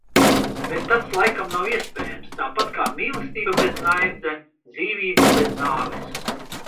Bet tas laikam nav iespējams. Tāpat kā mīlestība bez naida. Dzīvība bez nāves.